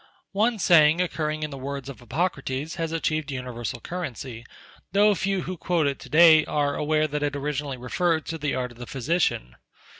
One saying occurring in the words of Hippocrates has achieved universal currency, though few who quote it to day are aware that it originally referred to the art of the physician.